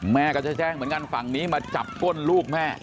แม่ก็จะแจ้งเหมือนกันฝั่งนี้มาจับก้นลูกแม่